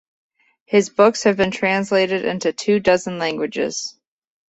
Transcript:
His books have been translated into two dozen languages.